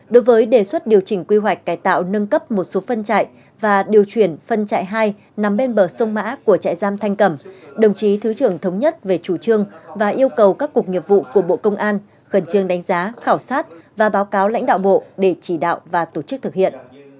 đối với đề xuất điều chỉnh quy hoạch cải tạo nâng cấp một số phân trại và điều chuyển phân trại hai nằm bên bờ sông mã của trại giam thanh cẩm đồng chí thứ trưởng thống nhất về chủ trương và yêu cầu các cục nghiệp vụ của bộ công an khẩn trương đánh giá khảo sát và báo cáo lãnh đạo bộ để chỉ đạo và tổ chức thực hiện